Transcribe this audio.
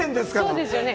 そうですよね。